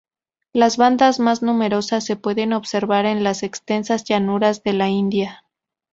Las bandadas más numerosas se pueden observar en las extensas llanuras de la India.